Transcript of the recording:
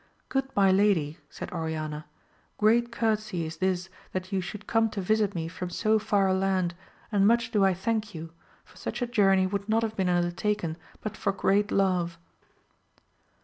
Good my lady, said Oriana, great courtesy is this that you should come to visit me from so far a land, and much do 1 thank you, for such a journey would not have been undertaken but for great love.